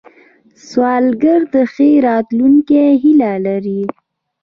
سوالګر د ښې راتلونکې هیله لري